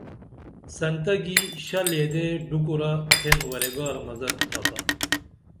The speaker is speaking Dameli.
سنتہ گی شل یدے ڈُکُرہ تھین ورے گارہ مزہ تھاتا